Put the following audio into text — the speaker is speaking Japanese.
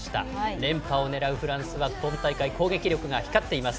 連覇をねらうフランスは今大会、攻撃力が光っています。